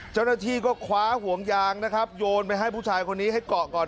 เจ้าหน้าที่ก็คว้าห่วงยางนะครับโยนไปให้ผู้ชายคนนี้ให้เกาะก่อน